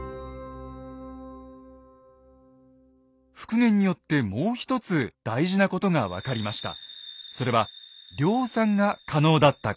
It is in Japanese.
復元によってもう一つ大事なことが分かりました。